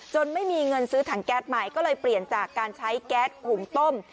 ไม่มีเงินซื้อถังแก๊สใหม่ก็เลยเปลี่ยนจากการใช้แก๊สหุงต้ม